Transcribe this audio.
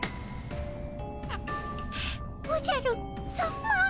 おじゃるさま？